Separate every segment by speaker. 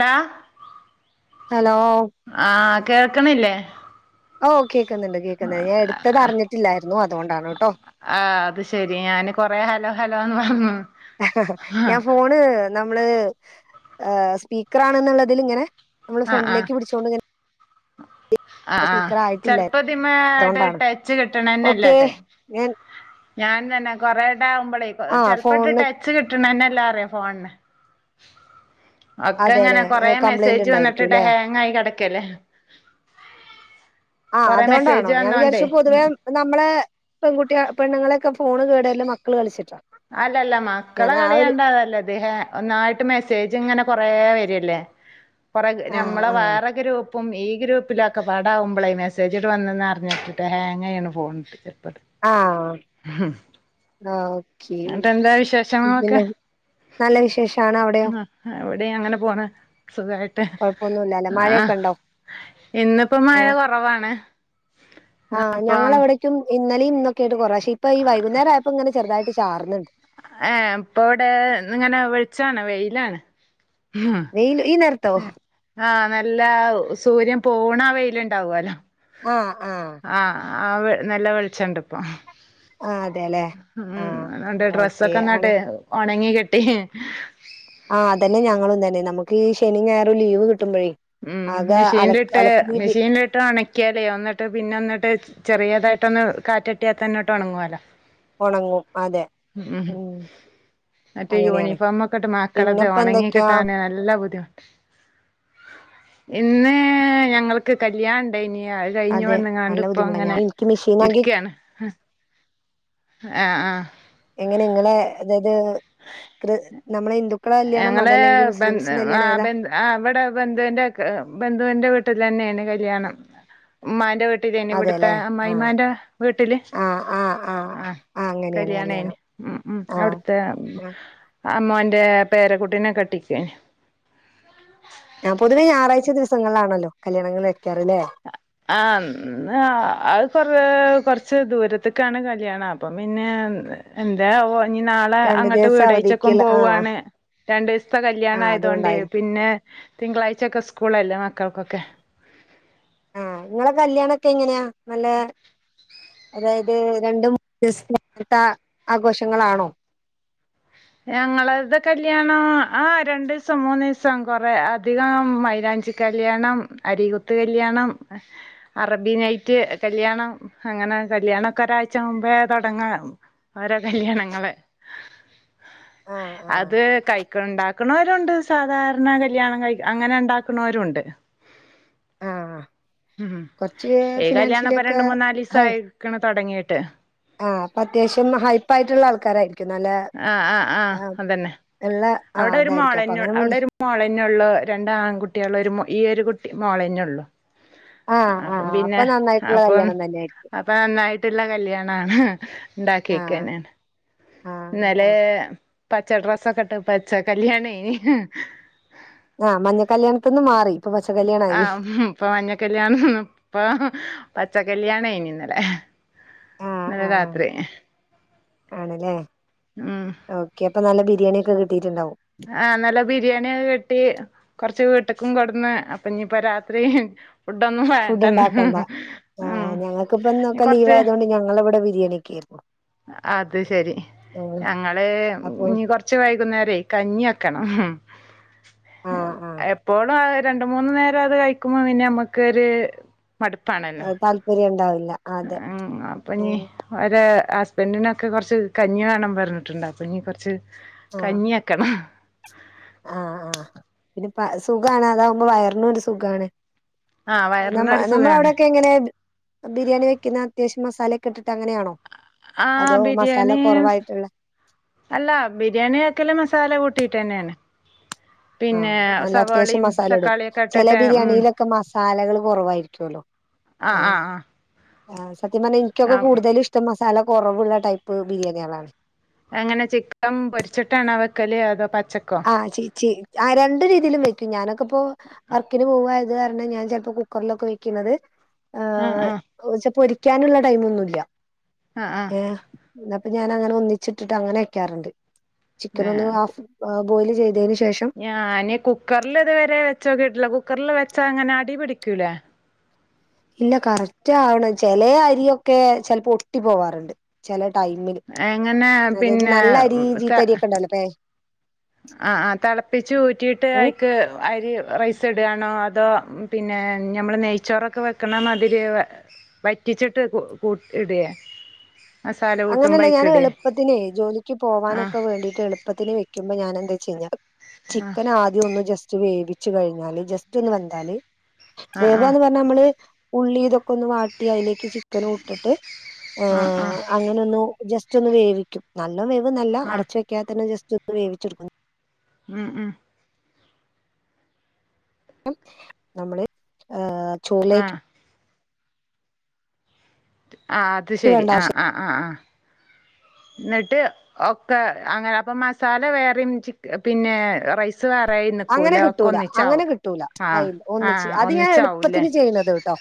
Speaker 1: ളാ.
Speaker 2: Hello.
Speaker 1: ആ കേക്ക്ണില്ലേ?
Speaker 2: ഓ കേക്ക്ന്ന്ണ്ട് കേക്ക്ന്ന് ഞാൻ എടുത്തത് അറിഞ്ഞിട്ടില്ലായിരുന്നു അതുകൊണ്ടാണ് ട്ടോ.
Speaker 1: ആ അത് ശരി ഞാന് കൊറേ ഹലോ ഹലോന്ന് പർഞ്ഞു
Speaker 2: ഞാൻ ഫോൺ ഇത് നമ്മ്ള് ആ സ്പീക്കറാണെന്ന്ള്ളതില് ങ്ങനേ നമ്മള് ഫ്രണ്ടിലേക്ക് പിടിച്ചോണ്ട് ങ്ങനെ
Speaker 1: ആ ആ
Speaker 2: ആയിട്ടില്ല
Speaker 1: ചെൽപ്പതിമ്മേ ട
Speaker 2: അതുകൊണ്ടാണ്
Speaker 1: ടച്ച്
Speaker 2: ഓക്കെ
Speaker 1: കിട്ടണന്നല്ലാട്ട്
Speaker 2: ഞാൻ
Speaker 1: ഞാനും തന്നെ കൊറേണ്ടാകുമ്പളേയ് കൊ
Speaker 2: ആ
Speaker 1: ചെൽപ്പണ്ട് ടച്ച്
Speaker 2: ഫോണിന്
Speaker 1: ടച്ച് കിട്ടണന്നെല്ലാറിയ ഫോൺന് ഒക്കെ
Speaker 2: അതെല്ലെ
Speaker 1: ഇങ്ങനെ കൊറേ
Speaker 2: കംപ്ലൈന്റ്
Speaker 1: മെസ്സേജ് വന്ന്ട്ട് ടെ
Speaker 2: ഉണ്ടായിരിക്കുംല്ലെ
Speaker 1: ഹേങ്ങായി കെടക്കല്ലേ
Speaker 2: ആ
Speaker 1: കൊറെ മെസ്സേജ്
Speaker 2: അതോണ്ടാണോ ഞാൻ
Speaker 1: വന്നോണ്ടേ
Speaker 2: വിജാരിച്ചു പൊതുവേ
Speaker 1: ഉം
Speaker 2: നമ്മളെ പെൺകുട്ട്യേ പെണ്ണുങ്ങളെക്കെ ഫോണ് കേടര്ല്മക്കള് കളിച്ചിട്ടാ
Speaker 1: അല്ലല്ല
Speaker 2: ഞാൻ
Speaker 1: മക്കളെ
Speaker 2: ആ ഒരു
Speaker 1: കളിയണ്ടതല്ലദ്ദേഹ ഒന്നായിട്ട് മെസ്സേജ് ഇങ്ങനെ കൊറേ വരല്ലേ കൊറേ
Speaker 2: ആ
Speaker 1: നമ്മളെ
Speaker 2: ആ
Speaker 1: വേറെ ഗ്രൂപ്പ്‌ പ്പും ഈ ഗ്രൂപ്പിലൊക്കെപാടാകുമ്പളേയ് മെസേജ്ണ്ട് വന്ന് നർഞ്ട്ട്ട്ട് ഹാങ്ങായ് ആണ്ട് പോകും ചെൽപണ്ട്
Speaker 2: ആഹ് ആ ഓക്കേ
Speaker 1: എന്നിട്ട് എന്താ വിശേഷങ്ങളൊക്കെ
Speaker 2: പിന്നെ നല്ല വിശേഷാണ് അവിടെയോ
Speaker 1: ആ വ്ടെയും അങ്ങനെ പോണ് സുഖായ് ട്ട്
Speaker 2: കൊഴപ്പൊന്നുല്ല അല്ലെ
Speaker 1: ആ
Speaker 2: മഴയൊക്കെ ഉണ്ടോ
Speaker 1: ഇന്നിപ്പോ മഴ കൊറവാണ്
Speaker 2: ആ ഞങ്ങള
Speaker 1: അപ്പം
Speaker 2: വ്ടയ്ക്കും ഇന്നലെയും ഇന്നൊക്കെയിട്ട് കുറേശ്യ ഇപ്പ ഈ വൈകുന്നേര ആയപ്പോ ഇങ്ങനെ ചെറുതായിട്ട് ചാർന്ന്ണ്ട്
Speaker 1: ഏ ഇപ്പ ഇവടെ ഇങ്ങനെ വെൾച്ചാണ് വെയിലാണ് ഹാ
Speaker 2: വെയ്ല് ഈ നേരത്ത്
Speaker 1: ആ ആ നല്ല ആ സൂര്യൻ പോണ ആ വെയ്ല്ണ്ടാവോല
Speaker 2: ആഹ് ആഹ്
Speaker 1: ആ അവ് നല്ല വെൾച്ചണ്ട് പ്പൊ
Speaker 2: ആഹ് അതെല്ലെ
Speaker 1: ഉം
Speaker 2: ആഹ്
Speaker 1: ന്നാണ്ട്
Speaker 2: ഓക്കെ ആണ്
Speaker 1: ഡ്രസ്സൊക്കൊന്നാണ്ട് ഒണങ്ങി കിട്ടി
Speaker 2: ആ അതന്നെ ഞങ്ങളും തന്നെ നമുക്ക് ഈ ശനിം ഞായറും ലീവ് കിട്ടുമ്പഴേ
Speaker 1: ഉം മ്ഷീൻല്ട്ട് മ്ഷീൻല് ഇ ട്ട് ഒൺക്കിയാലേ ഒന്നിട്ട് പിന്നെ ഒന്നിട്ട് ചെറിയതായിട്ടൊന്ന് കാറ്റട്ടിയാതന്നെ ട്ട് ഒണങ്ങോലോ
Speaker 2: ഒണങ്ങും അതെ ഉം
Speaker 1: മറ്റേ
Speaker 2: അങ്ങനെയാണ്
Speaker 1: യൂനിഫോമക്കെ ട്ട് മക്കളത്
Speaker 2: പിന്നെപ്പ എന്തൊക്കെയാ
Speaker 1: ഒണങ്ങിക്കിട്ടാന് നല്ല ബുദ്ധിമുട്ട ഇന്ന് ഞങ്ങൾക്ക് കല്യാണണ്ടേയ്ന് [unintelligible] കഴിഞ്ഞു
Speaker 2: അതെ
Speaker 1: വന്ന് ങ്ങാണ്ട്
Speaker 2: നല്ല
Speaker 1: ഇപ്പോ
Speaker 2: ബുദ്ധിമുട്ടാ ഞാൻ
Speaker 1: ഇങ്ങനെ
Speaker 2: എനിക്ക് മെഷീനാങ്കി
Speaker 1: ഇര്ക്കാണ് ആഹ് ആഹ്
Speaker 2: എങ്ങനെ നിങ്ങളെ അതായത് കൃ നമ്മളെ ഹിന്ദു ക്കള കല്യാണം
Speaker 1: ഞങ്ങള്
Speaker 2: അതല്ലെങ്കി
Speaker 1: ബന്ധു
Speaker 2: മുസ്ലിംസിന്റെ
Speaker 1: ആ
Speaker 2: കല്യാണം ഏതാ
Speaker 1: ബന്ധു ആ വ്ടെ ബന്ധുവിന്റെക്കെ ബന്ധുവിന്റെ വീട്ടിൽ തന്നെയാണ് കല്യാണം ഉമ്മാന്റെ വീട്ടിലേനി ഇവ്ട്ത്തെ
Speaker 2: അതെല്ലെ ആഹ്
Speaker 1: അമ്മായിമ്മാന്റെ വീട്ട്ല്
Speaker 2: ആഹ് ആഹ് ആഹ്
Speaker 1: ആ
Speaker 2: ആഹ് അങ്ങനെയാണ്
Speaker 1: കല്യാണേയ്ന്
Speaker 2: കല്യാണം
Speaker 1: ഉം ഉം
Speaker 2: ആഹ്
Speaker 1: അവ്ട്ത് ത്തേ
Speaker 2: ആ
Speaker 1: അമ്മോന്റെ പേരക്കുട്ടിനെ കെട്ടിച്ചേനി
Speaker 2: ആ പൊതുവെ ഞായറാഴ്ച ദിവസങ്ങളിലാണല്ലോ കല്യാണങ്ങള് വെയ്ക്കാറ് ലേ
Speaker 1: ആ ഇന്ന് അത് കൊറേ കൊർച്ച് ദൂരത്തക്കാണ് കല്യാണം അപ്പം പിന്നെ എന്തേ അവോ ഞ്ഞി നാളെ
Speaker 2: രണ്ടു
Speaker 1: അങ്ങട്ട്
Speaker 2: ദിവസം
Speaker 1: വീടാഴ്ച്ചക്കും
Speaker 2: അവധിക്കുള്ള ആ
Speaker 1: പോവാണ് രണ്ടീസ്ത്തെ
Speaker 2: ആ
Speaker 1: കല്യാണായ്തോണ്ടേയ്
Speaker 2: അതുകൊണ്ടായിരിക്കും
Speaker 1: പിന്നെ തിങ്കളാഴ്ചൊക്കെ സ്കൂളല്ലേ മക്കൾക്കൊക്കെ
Speaker 2: ആഹ് നിങ്ങളെ കല്യാണൊക്കെ എങ്ങനെയാ നല്ല അതായത് രണ്ട് മൂന്ന് ദിവസത്ത ആഘോഷങ്ങളാണോ
Speaker 1: ഞങ്ങളേത് കല്യാണം ആ രണ്ടീസം മൂന്നീസം കൊറെ അധികം മൈലാഞ്ചി കല്യാണം അരികുത്ത് കല്യാണം അറബി നൈറ്റ് കല്യാണം അങ്ങനെ കല്യാണക്കെ ഒരാഴ്ച മുമ്പേ തുടങ്ങാ ഓരോ കല്യാണങ്ങള്
Speaker 2: ആ ആ
Speaker 1: അത് കൈക്ക് ഉണ്ടാക്കുന്നവരുണ്ട് സാധാരണ കല്യാണം കൈ അങ്ങനെ ഉണ്ടാക്കുന്നലുണ്ട്
Speaker 2: ആ
Speaker 1: ഉം
Speaker 2: കുറച്ച്
Speaker 1: ഈ കല്യാണ പ്പൊ
Speaker 2: ഫിനാൻഷ്യലിയൊക്കെ
Speaker 1: രണ്ട് മൂന്നാല് ദിവസയിക്കണ തുടങ്ങിയിട്ട്
Speaker 2: ഹ് അപ്പൊ അത്യാശ്യം ഹൈപ്പ് ആയിട്ടുള്ള ആൾക്കാരായി
Speaker 1: ആഹ് ആഹ് ആഹ് അതന്നെ
Speaker 2: ഉള്ള ആ
Speaker 1: അവിടെ ഒരു
Speaker 2: അതായിരിക്കും അപ്പൊ
Speaker 1: മോളന്നെ
Speaker 2: അങ്ങനെ മൂന്ന്
Speaker 1: അടെ ഒരു മോളേന്നള്ളു രണ്ട ആൺകുട്ടികളും ഒരു ഈയരു കുട്ടി മോളന്നെള്ളു
Speaker 2: ആ ആ
Speaker 1: അപ്പം
Speaker 2: അപ്പൊ
Speaker 1: പിന്നെ
Speaker 2: നന്നായിട്ടുള്ള
Speaker 1: അപ്പം
Speaker 2: കല്യാണം തന്നെ ആയിരിക്കും
Speaker 1: അപ്പൊ നന്നായിട്ടുള്ള കല്യാണാണ് ഇ
Speaker 2: ആ
Speaker 1: ണ്ടാക്കിക്കണ്
Speaker 2: ആ
Speaker 1: ഇന്നലെ പച്ച ഡ്രസ്സൊക്കെ ഇട്ട് പച്ച കല്യാണ എയ്നി
Speaker 2: ആഹ് മഞ്ഞ കല്യാണത്തിന്ന് മാറി ഇപ്പൊ പച്ച കല്യാണായി
Speaker 1: ആഹ് ഇപ്പൊ മഞ്ഞക്കല്ലായണത്ത്ഇപ്പൊ പച്ചക്കല്ല്യാണയ്ന് ഇന്നലെ
Speaker 2: ആ
Speaker 1: ഇന്നലെ
Speaker 2: ആ
Speaker 1: രാത്രി ഏഹ്
Speaker 2: ആണല്ലേ
Speaker 1: ഉം
Speaker 2: ഓക്കെ അപ്പൊ നല്ല ബിരിയാണിയൊക്കെ കിട്ടിയിട്ടുണ്ടാവും
Speaker 1: ആഹ് നല്ല ബിരിയാണിയൊക്കെ കിട്ടി കൊറച്ച വീട്ടക്കും കൊടന്ന് അപ്പൊ ഇനിപ്പൊ രാത്രി ഫുഡ് ഒന്നും
Speaker 2: ഫുഡ്
Speaker 1: വേണ്ടന്നെ
Speaker 2: ഉണ്ടാക്കണ്ട ആ
Speaker 1: ഉം
Speaker 2: ഞങ്ങൾക്കിപ്പ ഇന്നൊക്കെ ലീവ്
Speaker 1: കൊറച്ച്
Speaker 2: ആയതുകൊണ്ട് ഞങ്ങളിവിടെ ബിരിയാണിയൊക്കെയായിരുന്നു
Speaker 1: അത് ശരി
Speaker 2: ഉം
Speaker 1: ഞങ്ങളെ
Speaker 2: അപ്പൊ
Speaker 1: ഇനി കൊറ ച്ച് വൈകുന്നേരെ കഞ്ഞിക്കണം
Speaker 2: ആ ആ
Speaker 1: എപ്പോളും അഹ് രണ്ട് മൂന്ന് നേരം അത് കഴിക്കുമ്പോ പിന്നെ നമ്മക്ക ഒരു മടുപ്പാണല്ലോ
Speaker 2: വീര്യം ഉണ്ടാവില്ല അതെ
Speaker 1: ഏഹ് അപ്പൊഞ്ഞി
Speaker 2: ഉം
Speaker 1: ഒരെ ഹസ്ബൻഡിനൊക്കെ കുറച്ച് കഞ്ഞി വേണം പറഞ്ഞിട്ടുണ്ട് അപ്പഞ്ഞി കുറച്ച് കഞ്ഞി വെക്കണം
Speaker 2: ആഹ് ആഹ് പിന്നെ പ സുഖാണ് അതാകുമ്പോ വയറിനും ഒരു സുഖാണ്
Speaker 1: ആഹ്
Speaker 2: നമ്മ
Speaker 1: വയറിനൊരു
Speaker 2: നമ്മള
Speaker 1: സുഖാണ്.
Speaker 2: അവിടൊക്കെ എങ്ങനെ ത് ബിരിയാണി വെക്കുന്ന അത്യാവശ്യം മസാല ഒക്കെട്ടിട്ട്ങ്ങനെയാണോ അതോ
Speaker 1: ആഹ് ബിരിയാണി അല്ല ബിരിയാണിവെക്കല് മസാല കൂട്ടിയിട്ട് തന്നെയാണ്
Speaker 2: ആഹ് അയ്ല് അത്യാവശ്യം മസാല ഇടും
Speaker 1: തക്കാളിയൊക്കെ
Speaker 2: ചെല
Speaker 1: ഇട്ടിട്ട് ഉം
Speaker 2: ബിരിയാണിയിലൊക്കെ മസാലകൾ കുറവായിരിക്കുവല്ലോ
Speaker 1: ആഹ് ആഹ് ആഹ്
Speaker 2: ആഹ് സത്യം പറഞ്ഞ എനിക്കൊക്കെ കൂടുതലും ഇഷ്ട മസാല കുറവുള്ള ടൈപ്പ് ബിരിയാണികളാണ്
Speaker 1: എങ്ങനെ ചിക്കൻ പൊരിച്ചിട്ടാണ് വെക്കല് അതോ പച്ചക്കോ
Speaker 2: ആഹ് ച്ചി ച്ചി ആ രണ്ടു രീതിയിലും വെക്കും ഞാനൊക്കെ ഇപ്പോ വർക്കിന് പോവായത് കാരണം ഞാൻ ചിലപ്പോ കുക്കറിലൊക്കെ വെക്കുന്നത്
Speaker 1: ആഹ് ആഹ്
Speaker 2: ഓച്ച പൊരിക്കാനുള്ള ടൈം ഒന്നുല്ല
Speaker 1: ആഹ് ആഹ്
Speaker 2: ഏഹ് എന്നപ്പ ഞാൻ അങ്ങനെ ഒന്നിച്ചിട്ടിട്ട് അങ്ങനെ വെക്കാറുണ്ട് ചിക്കൻ ഒന്ന്
Speaker 1: ഏഹ് കു
Speaker 2: ഹാഫ് ബോയിൽ ചെയ്തതിന് ശേഷം
Speaker 1: ഞാന് കുക്കറിൽ ഇതുവരെ വെച്ചോക്കിട്ടില്ല കുക്കറിൽ വെച്ചാ അങ്ങനെ അടി പിടിക്കൂലേ
Speaker 2: ഇല്ല കറക്റ്റ് ആവണ് ചെലേ അരിയൊക്കെ ചിലപ്പോ ഒട്ടി പോവാറുണ്ട് ചിലെ ടൈമില്
Speaker 1: എങ്ങനെ
Speaker 2: അതായത്
Speaker 1: പിന്നെ
Speaker 2: നല്ല അരി
Speaker 1: ത
Speaker 2: ചീത്തരിക്കെ ണ്ടല്ലോ പ്പേ
Speaker 1: ആഹ് ആഹ് തിളപ്പിച്ച് ഊറ്റിട്ട്
Speaker 2: ഉം
Speaker 1: അയ്ക്ക് അരി റൈസ് സ്ടാണോ അതോ പിന്നെ നമ്മൾ നെയ്ച്ചോറൊക്കെ വെക്കണ മാതിരി വറ്റിച്ചിട്ട് കു കൂട്ടി ഇടെ
Speaker 2: അങ്ങനെല്ല ഞാന് എളുപ്പത്തിന് ജോലിക്ക്
Speaker 1: ആഹ്
Speaker 2: പോകാനൊക്കെ വേണ്ടീട്ട് എളുപ്പത്തിന് വെക്കുമ്പോ ഞാന എന്താച്ചയ്ഞ്ഞാ
Speaker 1: ആഹ്
Speaker 2: ചിക്കൻ ആദ്യം ഒന്ന് ജസ്റ്റ് വേവിച്ചു കഴിഞ്ഞാല് ജസ്റ്റ് ഒന്ന് വെന്താല്
Speaker 1: ആഹ് ആഹ്
Speaker 2: വേവാന്ന് പർഞ്ഞ നമ്മള് ഉള്ളി ഇതൊക്കെ ഒന്ന് വാട്ടി അയ്ലേക്ക് ചിക്കനൂട്ടിട്ട്
Speaker 1: ആഹ്
Speaker 2: ഏഹ്
Speaker 1: ആഹ്
Speaker 2: അങ്ങനൊന്നു ജസ്റ്റ് ഒന്ന് വേവിക്കും നല്ലോ വേവ് നല്ല
Speaker 1: ആഹ്
Speaker 2: അടച് വെക് ക്ക്യാത്തന്നെ ജസ്റ്റ് ഒന്ന് വേവിച്ചെടുക്കു
Speaker 1: ഉം ഉം
Speaker 2: നമ്മള് ഏഹ് ചോറിലേക്ക്
Speaker 1: ആഹ് ആഹ് അത് ശരി
Speaker 2: വേണ്ട
Speaker 1: ആഹ്
Speaker 2: ആവശ്യം
Speaker 1: ആഹ് ആഹ് ആഹ് ന്നട്ട് ഒക്കെ അങ്ങനെ അപ്പ മസാല വേറെയും പിന്നെ റൈസ് വേറായി നിക്കൂല
Speaker 2: അങ്ങനെ
Speaker 1: ഒക്കെ
Speaker 2: കിട്ടൂല അങ്ങനെ
Speaker 1: ഒന്നിച്ചാവും
Speaker 2: കിട്ടൂല
Speaker 1: ആഹ്
Speaker 2: അയിൽ ഒന്നിച്ച്
Speaker 1: ആഹ്
Speaker 2: അത് ഞാൻ
Speaker 1: ഒന്നിച്ചാവൂല്ലേ
Speaker 2: എളുപ്പത്തിന് ചെയ്യുന്നത് ട്ടോ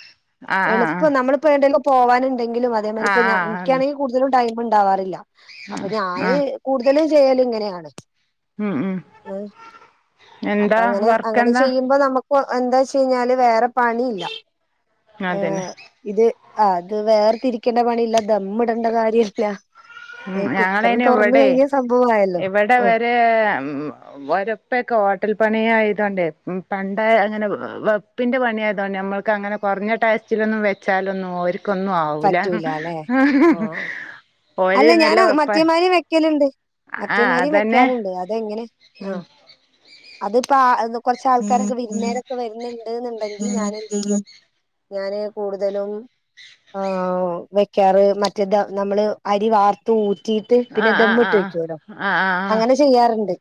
Speaker 1: ആഹ് ആഹ്
Speaker 2: എളുപ്പോ നമ്മളിപ്പോ ഏണ്ടേലും പോവാനുണ്ടെങ്കിലും അതേമാതിരി ഇപ്പ
Speaker 1: ആഹ്
Speaker 2: ഞ
Speaker 1: ആഹ് ആഹ്
Speaker 2: ഇൻക്കാണെങ്കിൽ കൂടുതലും ടൈമ്ണ്ടാവാറില്ല അപ്പൊ ഞാന്
Speaker 1: ആഹ്
Speaker 2: കൂടുതലും ചെയ്യലും ഇങ്ങനെയാണ്
Speaker 1: ഉം ഉം
Speaker 2: ഏഹ് അപ്പൊ
Speaker 1: എന്താ
Speaker 2: അങ്ങനെ അങ്ങനെ
Speaker 1: വർക്കെന്താ
Speaker 2: ചെയ്യുമ്പോ നമുക്ക് എന്താച്ചഴിഞ്ഞാല് വേറെ പണി ഇല്ല
Speaker 1: അതന്നെ
Speaker 2: ഇത് ആഹ് അത് വേർതിരിക്കേണ്ട പണിയില്ല ദമ്മിടേണ്ട കാര്യല്ല
Speaker 1: ഉം
Speaker 2: ഏഹ് കുക്കർ
Speaker 1: ഞങ്ങളയ്ന്
Speaker 2: തുറന്ന കഴിഞ്ഞ സംഭവ ആയല്ലോ ആഹ്
Speaker 1: ഏഹ് ഉം വെരപ്പൊക്കെ ഹോട്ടൽ പണിയായതോണ്ടേ പണ്ട അങ്ങനെ വേപ് പ്പിൻ്റെ പണിയായതോണ്ട് നമ്മൾക്ക് അങ്ങന കുറഞ്ഞ ടേസ്റ്റിലൊന്നും വെച്ചാലൊന്നും ഓര് ക്കൊന്നും ആവൂല
Speaker 2: പറ്റൂല അല്ലെ ആ
Speaker 1: ഓര്
Speaker 2: അല്ല
Speaker 1: നല്ല
Speaker 2: ഞാനാ
Speaker 1: വെപ്പ
Speaker 2: മറ്റെ മാരി വെ ക്കല്ണ്ട്
Speaker 1: ആഹ്
Speaker 2: മറ്റേമാരി
Speaker 1: അതന്നെ
Speaker 2: വെക്കാറുണ്ട് അതെങ്ങനെ
Speaker 1: ഉം
Speaker 2: ആഹ് അതിപാ ആ കൊർചെ ആൾക്കാരൊക്കെ വിരുന്നേരക്കെ വരുന്ന്ണ്ട്ന്ന്ണ്ടെങ്കിൽ ഞാൻ എന്ത് ചെയ്യും ഞാന് കൂടുതലും ആഹ് വെക്കാറ് മറ്റേതാ നമ്മള് അരി വാർത് ഊറ്റീട്ട് പിന്നെ
Speaker 1: ആഹ് ആഹ്
Speaker 2: ദമ്മിട്ട്
Speaker 1: ആഹ്
Speaker 2: വെക്ക്യോലോ
Speaker 1: ആഹ് ആഹ് ആഹ്
Speaker 2: അങ്ങനെ ചെയ്യാറുണ്ട്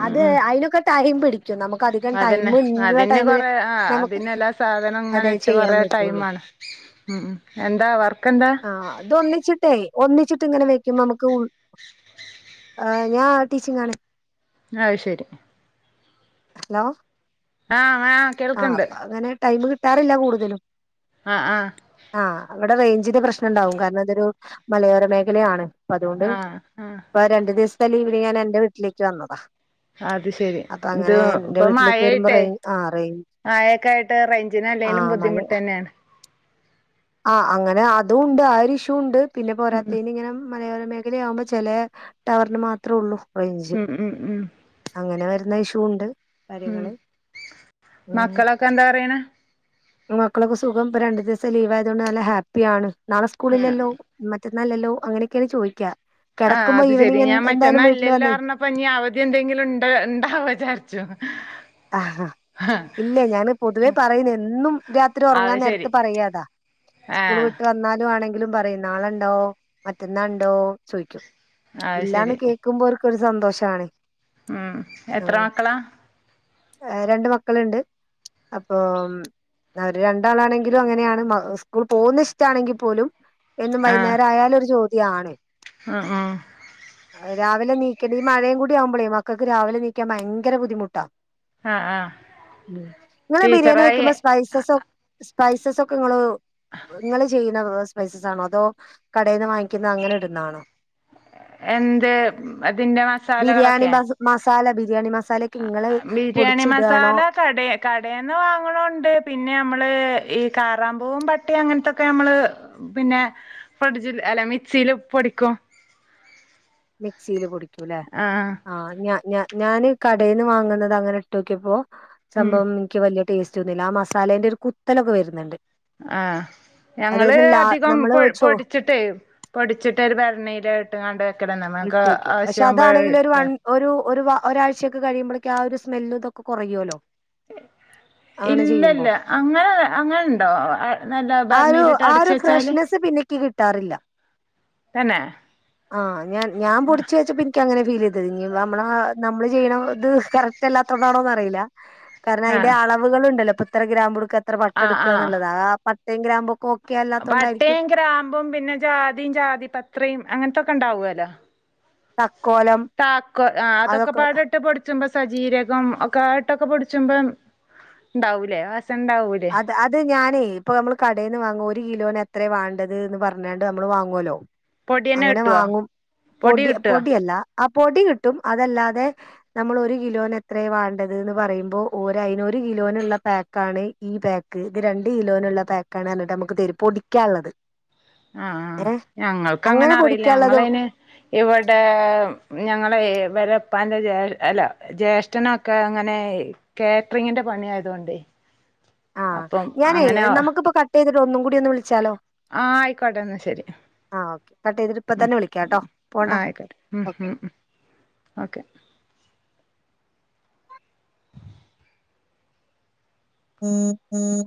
Speaker 1: ഉം
Speaker 2: അത്
Speaker 1: ഉം
Speaker 2: അതിനൊക്കെ ടൈം പിടി
Speaker 1: അതന്നെ അതിന് കൊറെ ആഹ്
Speaker 2: നമുക്ക്
Speaker 1: അതിനല്ലാ സാധനം ഇങ്ങനെ
Speaker 2: അതെ
Speaker 1: ഇട്ട്
Speaker 2: ചെയ്യാൻ
Speaker 1: കൊറേ
Speaker 2: പറ്റുള്ളൂ
Speaker 1: ടൈമാണ് ഉം ഉം എന്താ വർക്ക്ന്താ
Speaker 2: ട്ടേയ് ഒന്നിച്ചിട്ട് ഇങ്ങനെ വെക്കുംമ്പ നമുക്ക് ഉൾ അഹ് ഞാ ടീച്ചിങ്ങാണ്
Speaker 1: അഹ് ശരി
Speaker 2: ഹലോ
Speaker 1: ആഹ്
Speaker 2: ആഹ്
Speaker 1: കേൾക്കണ്ട്
Speaker 2: അപ്പൊ അങ്ങനെ ടൈമ് കിട്ടാറില്ല കൂടുതലും
Speaker 1: ആഹ് ആഹ്
Speaker 2: ആഹ് അവിടെ റേഞ്ചില് പ്രശ്നംണ്ടാവും കാരണം അതൊരു മലയോര മേഖലയാണ് പ്പതോണ്ട്
Speaker 1: ആഹ് ആഹ്
Speaker 2: ഇപ്പൊ രണ്ടു ദിവസത്തെ ലീവിന് ഞാൻ എന്റെ വീട്ടിലേക്ക് വന്നതാ
Speaker 1: അത് ശെരി
Speaker 2: അപ്പൊ
Speaker 1: ഇത്
Speaker 2: അങ്ങനെ എന്റെ
Speaker 1: ഇപ്പ
Speaker 2: വീട്ടിലേക്ക് വരുമ്പോ
Speaker 1: മായയിട്ടേ
Speaker 2: റേ ആ റേഞ്ച്
Speaker 1: മായൊക്കായി ട്ട്
Speaker 2: ആ
Speaker 1: റേയ്ഞ്ചിനല്ലെലും ബുദ്ധിമുട്ടന്നെയാണ്
Speaker 2: ആഹ് അങ്ങനെ അതും ഉണ്ട് ആഹ് ഒരു ഇഷ്യുണ്ട് പിന്നെ
Speaker 1: ഉം
Speaker 2: പോരാത്തീന് ഇങ്ങനെ മലയോര മേഖല ആകുമ്പോ ചെലെ ടവറിന് മാത്രേ ഉള്ളൂ റേഞ്ച്
Speaker 1: ഉം ഉം ഉം
Speaker 2: അങ്ങനെ വരുന്ന ഇഷ്യൂ ഉണ്ട്
Speaker 1: ഉം
Speaker 2: കാര്യങ്ങള് ഉം
Speaker 1: മക്കളൊക്കെ എന്താ പറയ്ണ്
Speaker 2: മക്കളൊക്കെ സുഖം ഇപ്പ രണ്ടു ദിവസം ലീവ് ആയതൊണ്ട് നല്ല ഹാപ്പിയ ആണ് നാളെ സ്കൂളില്ലല്ലോ മറ്റന്നാല്ലല്ലോ അങ്ങനെയൊക്കെണ് ചോയ്ക കെടക്കുമ്പോ ഈവനിങ് എന്ത് എന്തായാലും വീട്ടില് വന്ന്
Speaker 1: ഇപ്പഞ്ഞി അവധി എന്തെങ്കിലും ഇണ്ട് ഇണ്ടാ വിചാർചോ
Speaker 2: ആഹ് ആഹ് ഇല്ലേയ് ഞാന് പൊതുവേ പറയുന്ന എന്നും രാത്രി
Speaker 1: അത്
Speaker 2: ഉറങ്ങാൻ നേരത്ത്
Speaker 1: ശെരി
Speaker 2: പറയ അതാ സ്കൂൾ
Speaker 1: ആഹ്
Speaker 2: വിട്ട് വന്നാലും ആണെങ്കിലും പറയും - നാളണ്ടോ മറ്റന്നാണ്ടോ ചോയ്ക്കും
Speaker 1: അത്
Speaker 2: ഇല്ലാന്ന്
Speaker 1: ശെരി
Speaker 2: കേൾക്കാന് ക്കും പോർക്കൊരു സന്തോഷാണ്
Speaker 1: ഉം എത്ര
Speaker 2: ആഹ്
Speaker 1: മക്കളാ
Speaker 2: രണ്ട് മക്കള്ണ്ട് അപ്പൊ ഓര് രണ്ടാളാണെങ്കിലും അങ്ങനെയാണ് മാഹ് സ്കൂള് പോവുന്നേ ഇഷ്ടാണെങ്കിൽ പോലും എന്നും വൈയ്ന്നേരായാലൊരു ചോദ്യാണ്
Speaker 1: ആഹ് ആഹ്
Speaker 2: രാവിലെ നീക്കല് ഈ മഴയും കൂടിയാവുമ്പളേയ് മക്കൾക്ക് രാവിലെ നീക്കാന് ഭയങ്കര ബുദ്ധിമുട്ടാ
Speaker 1: ആഹ് ആഹ്
Speaker 2: ഇങ്ങെള് ബിരിയാണി
Speaker 1: ടീച്ചറായി
Speaker 2: വെക്കുമ്പോ സ്പൈസസ് സ്പൈസസൊക്കെ ഇങ്ങള് നിങ്ങള് ചെയ്യ്ന്ന വേറെ സ്പൈസസണോ അതോ കടെന്ന് വാങ്ങിക്കുന്ന അങ്ങനെ ഇട്ണാണോ
Speaker 1: എന്ത് ഉം അതിന്റെ
Speaker 2: ബിരിയാണി
Speaker 1: മസാലകളൊക്കെ
Speaker 2: മസാല ബിര്യണി മസാലെയ്
Speaker 1: ആഹ് ബിര്യണി മസാല കടെ കടെന്ന് വാങ്ങണുണ്ട് പിന്നെ നമ്മള് ഈ കാറാമ്പൂവും പടിം അങ്ങന് ത്തൊക്കെ നമ്മള് പിന്നെ ഫ്രിഡ്ജില് അല്ല മിക്സീല് പൊടിക്കും
Speaker 2: മിക്സീല് പൊടിക്കൂല്ലെ ആഹ് ഞഹ് ഞഹ് ഞാന് കടെന്ന് വാങ്ങുന്നത് അങ്ങനെ ഇട്ടോക്കിയപ്പോ
Speaker 1: ഉം
Speaker 2: സംഭവം ഇന്ക്ക് വെല്യ ടേസ്റ്റ്തോന്നില്ല ആഹ് മസാലെന്റെ ഒര് കുത്തലൊക്കെ വര്ന്ന്ണ്ട്
Speaker 1: ആഹ് ഞങ്ങള് അധികം
Speaker 2: നമ്മള് ചോ
Speaker 1: പൊടിച്ചിട്ടേയ് പൊടിച്ചിട്ടൊരു ഭരണീല് ഇട്ട് ക്കാണ്ട് വെക്കലാണ് നമ്മ്ക്
Speaker 2: ഇട്ടേക്കും പക്ഷെ
Speaker 1: ആവ്ശ്യവ്മ്പോ അഹ്
Speaker 2: അതാണെങ്കിൽ ഒരു
Speaker 1: ഇട്ക്ക
Speaker 2: വൺ ഒരു ഒരു വ ഒരാഴ്ചയക്കെ കഴിയുമ്പളെക്ക് ആഹ് ഒരു സ്മെല്ലും ഇതൊക്കെ കുറയോല്ലോ
Speaker 1: ഇല്ലല്ല അങ്ങനെ അങ്ങനെണ്ടോ നല്ല ഭരണീലിട്ട് അടച്ച് വെച്ചാല്
Speaker 2: ഇന്ക്ക് കിട്ടാറില്ല
Speaker 1: തന്നെ
Speaker 2: ആഹ് ഞാൻ ഞാൻ പെടിച്ച് വെച്ചപ്പോ ഇന്ക്ക് ഇക്ക് അങ്ങനെ ഫീൽ ചെയ്തത് ഇഞ്ഞി പ്പമ്മള് നമ്മള് ചെയ്യണ ഇത് കറക്റ്റ് അല്ലാതോണ്ടാണോന്ന് അറീല്ല കാരണം അയ്ന്റെ
Speaker 1: ആഹ്
Speaker 2: അളവ്കള് ഇണ്ടല്ലോ ഇപ്പൊ ഇത്ര ഗ്രാബുട്ക്ക ഇത്ര
Speaker 1: ആഹ്
Speaker 2: പട്ടട്ക്ക എന്ന്ള്ളത് ആഹ് പട്ട പട്ടേമ് ഗ്രമ്പു ഒക്കെ ഓ
Speaker 1: പട്ടെയും ഗ്രാമ്പും പിന്നെ ജാതി ജാതിപത്രിം അങ്ങന് ത്തൊക്കെണ്ടാവുല്ലൊ
Speaker 2: തക്കോലം
Speaker 1: താക്കോ ആഹ്
Speaker 2: അതൊക്കെ
Speaker 1: അതൊക്കെപാടെട്ട് പൊട് പൊട്ചുമ്പോ സജീരകം ഒക്കപാടെട്ടൊക്കെ പൊടിച്ചുബം ഇണ്ടാവൂലെ വാസനണ്ടാവൂല
Speaker 2: അത് അത് ഞാനേയ് ഇപ്പൊ നമ്മൾ കടെന്ന് വാങ്ങ ഒരു കിലോന് എത്രേ വേണ്ടത് എന്ന് പറഞ്ഞാണ്ട് നമ്മള് വാങ്ങോല്ലോ
Speaker 1: പൊടി തന്നെ
Speaker 2: അങ്ങനെ
Speaker 1: കിട്ടുവോ
Speaker 2: വാങ്ങും പൊടി പൊടിയല്ല ആഹ് പൊടി കിട്ടും അതല്ലാതെ നമ്മള് ഒര് കിലോന് എത്ര വാണ്ടത് ന്ന് പറയുമ്പോ ഓര് അയ്ന് ഒരു കിലോനുള്ള പെക്കാണ് ഈ പാക്ക് ഇത് രണ്ട് കിലോന്ള്ള പാാക്കാണ്ന്ന് പറ്ഞ്ഞിട്ട് നമുക്ക് തെരും പൊടികള്ളത്
Speaker 1: ആഹ് ആഹ് ഞങ്ങൾക്ക് അങ്ങനെ അറിയില്ല ഞങ്ങളന് ഇവിടെ ഞങ്ങളെ ഇവരെ ഇപ്പന്റെ ജേ അല്ല ജ്യേഷ്ഠനൊക്കെ ഇങ്ങനെ കാറ്ററിങ്ങിന്റെ പണിയതുകൊണ്ടെ
Speaker 2: ആഹ് ഞാനേ നമുക്കിപ്പോ കട്ട്തെട്ട് ഒന്നും കൂടി ഒന്ന് വിളിച്ചാലോ
Speaker 1: ആയിക്കോട്ടെ എന്ന ശെരി
Speaker 2: ആഹ് ഓക്കെ കട്ട് ചെയ്തിട്ട ഇപ്പ തന്നെ വിളിക്കാം കേട്ടോ പോണ്ട
Speaker 1: ആ ആയിക്കോട്ടെ ഉം
Speaker 2: ഓക്കേ
Speaker 1: ഉം ഉം ഓക്കെ
Speaker 2: മം മം